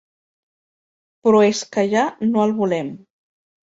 Però és que ja no el volem.